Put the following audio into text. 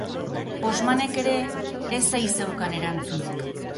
Osmanek ere ez ei zeukan erantzunik.